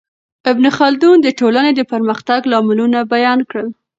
ابن خلدون د ټولنې د پرمختګ لاملونه بیان کړل.